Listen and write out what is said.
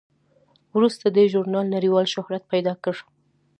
وروسته دې ژورنال نړیوال شهرت پیدا کړ.